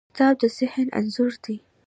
کتاب د ذهن انځور دی.